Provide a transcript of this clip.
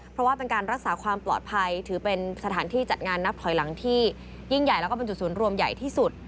เพราะว่าเป็นการรักษาความปลอดภัยถือเป็นสถานที่จัดงานนับถอยหลังที่ยิ่งใหญ่แล้วก็เป็นจุดศูนย์รวมใหญ่ที่สุด